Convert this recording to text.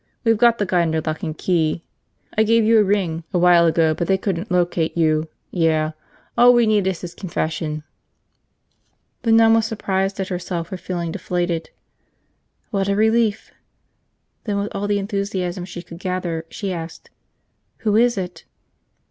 We've got the guy under lock and key. I gave you a ring a while ago but they couldn't locate you – yeah. All we need is his confession." The nun was surprised at herself for feeling deflated. "What a relief!" Then with all the enthusiasm she could gather, she asked: "Who is it?"